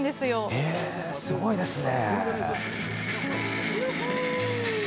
へえ、すごいですね。